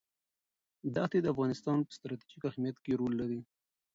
دښتې د افغانستان په ستراتیژیک اهمیت کې رول لري.